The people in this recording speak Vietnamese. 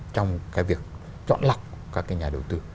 trong cái việc chọn lọc các cái nhà đầu tư